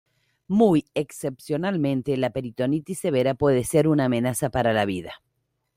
Muy excepcionalmente, la peritonitis severa puede ser una amenaza para la vida.